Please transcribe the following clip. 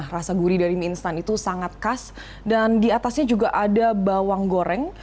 rasa gurih dari mie instan itu sangat khas dan diatasnya juga ada bawang goreng